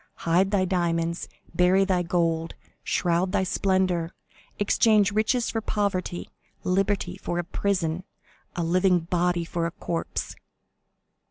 Hide thy diamonds, bury thy gold, shroud thy splendor, exchange riches for poverty, liberty for a prison, a living body for a corpse!"